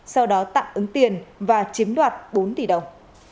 sau đó tạm ứng tiền và chiếm đoạt bốn tỷ đồng